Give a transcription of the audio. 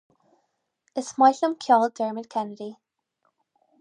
Is maith liom ceol Dermot Kennedy